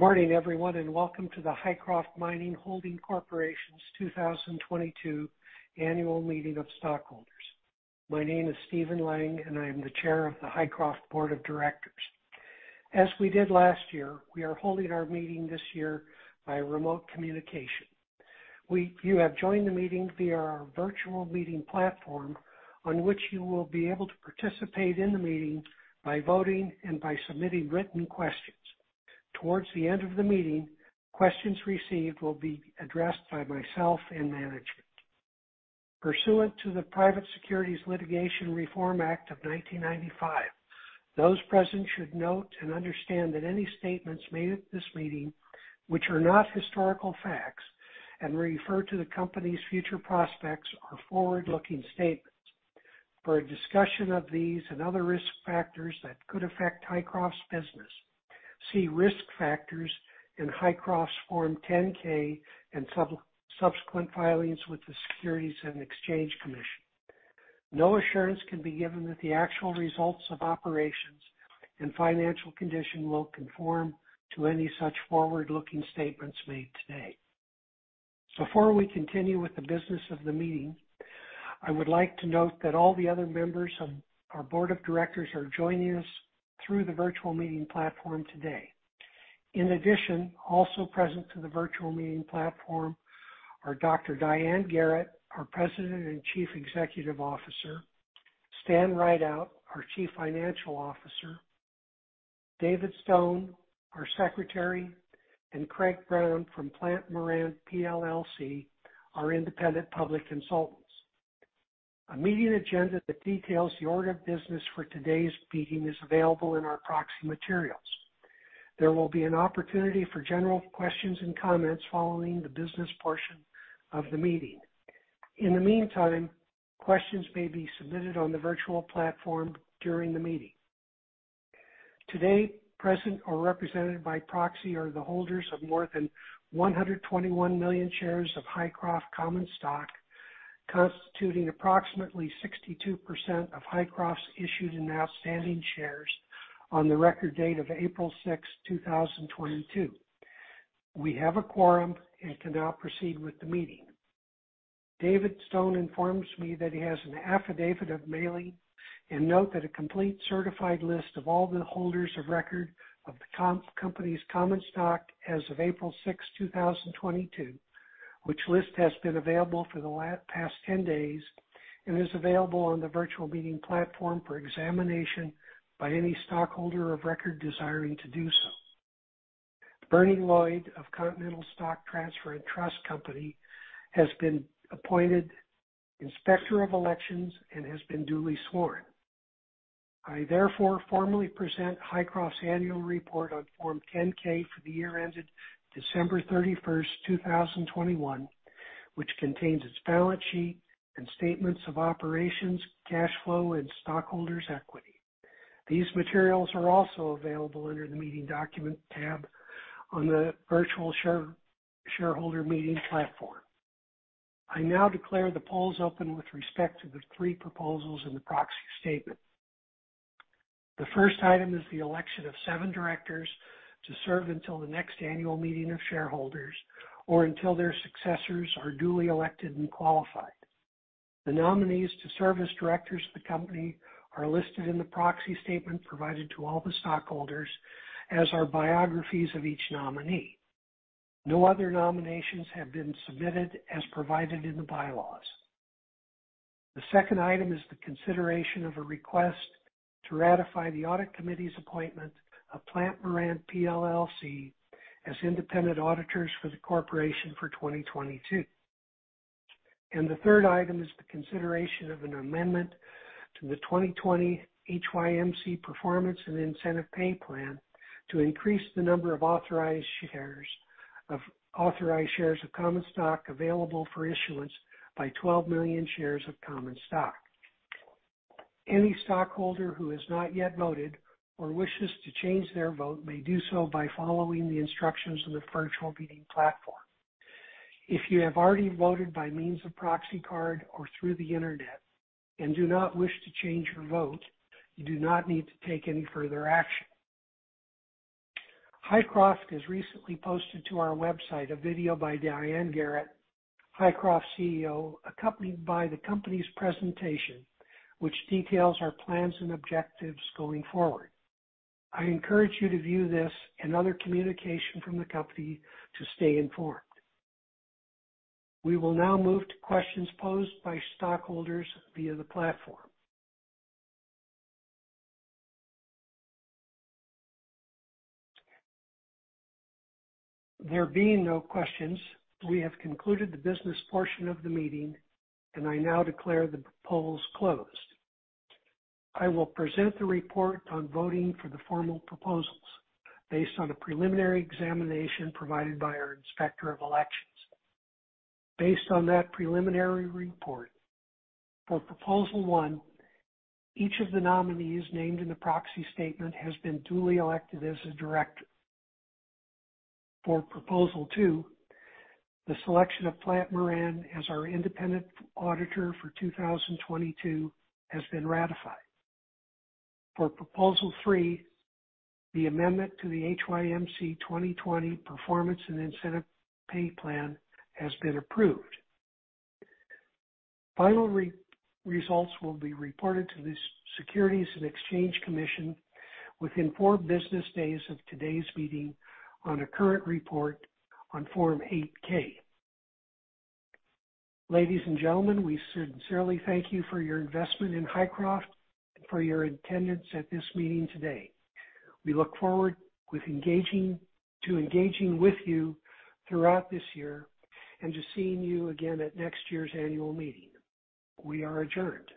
Good morning everyone, and welcome to the Hycroft Mining Holding Corporation's 2022 Annual Meeting of Stockholders. My name is Stephen Lang, and I am the Chair of the Hycroft Board of Directors. As we did last year, we are holding our meeting this year by remote communication. You have joined the meeting via our virtual meeting platform, on which you will be able to participate in the meeting by voting and by submitting written questions. Towards the end of the meeting, questions received will be addressed by myself and management. Pursuant to the Private Securities Litigation Reform Act of 1995, those present should note and understand that any statements made at this meeting which are not historical facts and refer to the company's future prospects are forward-looking statements. For a discussion of these and other risk factors that could affect Hycroft's business, see Risk Factors in Hycroft's Form 10-K and subsequent filings with the Securities and Exchange Commission. No assurance can be given that the actual results of operations and financial condition will conform to any such forward-looking statements made today. Before we continue with the business of the meeting, I would like to note that all the other members of our Board of Directors are joining us through the virtual meeting platform today. In addition, also present to the virtual meeting platform are Dr. Diane Garrett, our President and Chief Executive Officer, Stan Rideout, our Chief Financial Officer, David Stone, our Secretary, and Kreg Brown from Plante Moran, PLLC, our independent public consultant. A meeting agenda that details the order of business for today's meeting is available in our proxy materials. There will be an opportunity for general questions and comments following the business portion of the meeting. In the meantime, questions may be submitted on the virtual platform during the meeting. Today, present or represented by proxy are the holders of more than 121 million shares of Hycroft common stock, constituting approximately 62% of Hycroft's issued and outstanding shares on the record date of April 6th, 2022. We have a quorum and can now proceed with the meeting. David Stone informs me that he has an affidavit of mailing noting that a complete certified list of all the holders of record of the company's common stock as of April 6th, 2022, which list has been available for the past ten days and is available on the virtual meeting platform for examination by any stockholder of record desiring to do so. Bernie Lloyd of Continental Stock Transfer & Trust Company has been appointed Inspector of Elections and has been duly sworn. I therefore formally present Hycroft's annual report on Form 10-K for the year ended December 31st, 2021, which contains its balance sheet and statements of operations, cash flow, and stockholders' equity. These materials are also available under the Meeting Document tab on the virtual shareholder meeting platform. I now declare the polls open with respect to the three proposals in the proxy statement. The first item is the election of seven directors to serve until the next annual meeting of shareholders or until their successors are duly elected and qualified. The nominees to serve as directors of the company are listed in the proxy statement provided to all the stockholders, as are biographies of each nominee. No other nominations have been submitted as provided in the bylaws. The second item is the consideration of a request to ratify the Audit Committee's appointment of Plante Moran, PLLC as independent auditors for the corporation for 2022. The third item is the consideration of an amendment to the 2020 HYMC Performance and Incentive Pay Plan to increase the number of authorized shares of common stock available for issuance by 12 million shares of common stock. Any stockholder who has not yet voted or wishes to change their vote may do so by following the instructions on the virtual meeting platform. If you have already voted by means of proxy card or through the Internet and do not wish to change your vote, you do not need to take any further action. Hycroft has recently posted to our website a video by Diane Garrett, Hycroft's CEO, accompanied by the company's presentation, which details our plans and objectives going forward. I encourage you to view this and other communication from the company to stay informed. We will now move to questions posed by stockholders via the platform. There being no questions, we have concluded the business portion of the meeting, and I now declare the polls closed. I will present the report on voting for the formal proposals based on a preliminary examination provided by our Inspector of Elections. Based on that preliminary report, for Proposal One, each of the nominees named in the proxy statement has been duly elected as a director. For Proposal Two, the selection of Plante Moran as our independent auditor for 2022 has been ratified. For Proposal Three, the amendment to the HYMC 2020 Performance and Incentive Pay Plan has been approved. Final results will be reported to the Securities and Exchange Commission within four business days of today's meeting on a current report on Form 8-K. Ladies and gentlemen, we sincerely thank you for your investment in Hycroft and for your attendance at this meeting today. We look forward to engaging with you throughout this year and to seeing you again at next year's annual meeting. We are adjourned.